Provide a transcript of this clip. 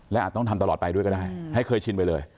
และอาจต้องทำตลอดไปด้วยก็ได้ให้เคยชินไปเลย